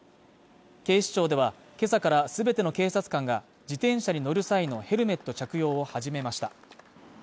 警視庁では、けさから全ての警察官が自転車に乗る際のヘルメット着用を始めました。